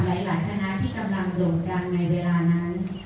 หลายคณะที่กำลังโด่งดังในเวลานั้น